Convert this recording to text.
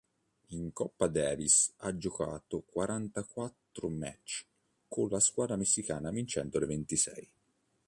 In Coppa Davis ha giocato quarantaquattro match con la squadra messicana vincendone ventisei.